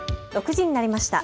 ６時になりました。